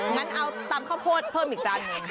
งั้นเอาตำข้าวโพดเพิ่มอีกจาน